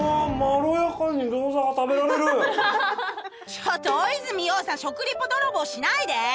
ちょっと大泉洋さん食リポ泥棒しないで！